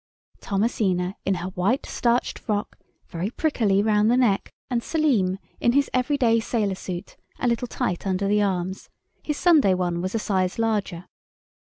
Thomasina, in her white, starched frock, very prickly round the neck, and Selim, in his every day sailor suit, a little tight under the arms. His Sunday one was a size larger.